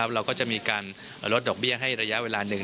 เราก็จะมีการลดดอกเบี้ยให้ระยะเวลาหนึ่ง